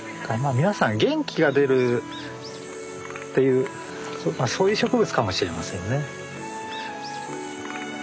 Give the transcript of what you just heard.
皆さん元気が出るっていうそういう植物かもしれませんね。